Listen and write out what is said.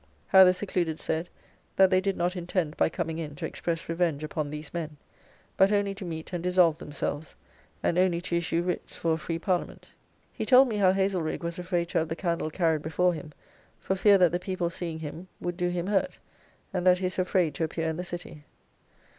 How the secluded said, that they did not intend by coming in to express revenge upon these men, but only to meet and dissolve themselves, and only to issue writs for a free Parliament. He told me how Haselrigge was afraid to have the candle carried before him, for fear that the people seeing him, would do him hurt; and that he is afraid to appear in the City.